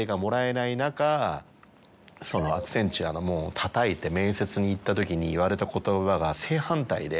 アクセンチュアの門をたたいて面接に行った時に言われた言葉が正反対で。